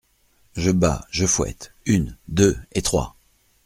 Je bats !… je fouette !… une, deux et trois !…